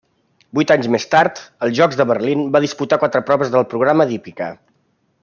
Vuit anys més tard, als Jocs de Berlín va disputar quatre proves del programa d'hípica.